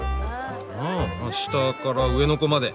うん下から上の子まで。